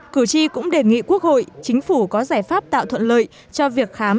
cử tri cũng đề nghị quốc hội chính phủ có giải pháp tạo thuận lợi cho việc khám